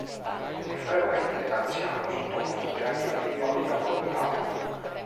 È frequente nell'anziano sottoposto a terapia antibiotica prolungata.